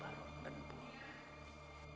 baru dan bunyi